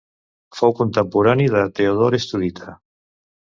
Fou contemporani de Teodor Estudita.